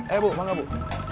eh bu bangga bu